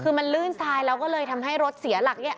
คือมันลื่นทรายแล้วก็เลยทำให้รถเสียหลักเนี่ย